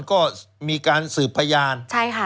ก็มีการสืบพยาน